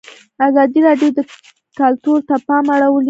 ازادي راډیو د کلتور ته پام اړولی.